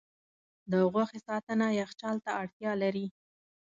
د غوښې ساتنه یخچال ته اړتیا لري.